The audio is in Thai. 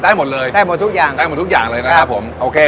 ได้หมดเลยได้หมดทุกอย่างเลยนะครับผมโอเค